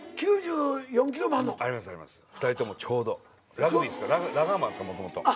ラグビーっすからラガーマンっすからもともと。